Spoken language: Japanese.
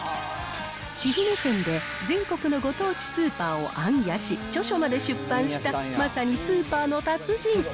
主婦目線で全国のご当地スーパーを行脚し、著書まで出版したまさにスーパーの達人。